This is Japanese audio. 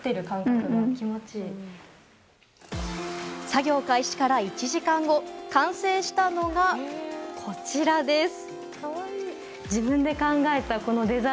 作業開始から１時間後完成したのが、こちらです。